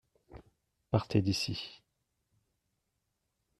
Partez d’ici.